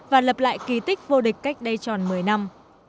và lập lại kỳ tích vô địch cách đây tròn một mươi năm